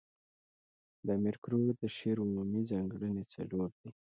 د امیر کروړ د شعر عمومي ځانګړني څلور دي.